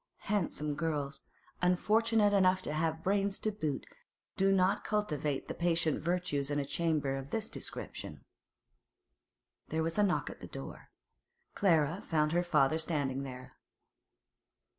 Handsome girls, unfortunate enough to have brains to boot, do not cultivate the patient virtues in chambers of this description. There was a knock at the door. Clara found her father standing there.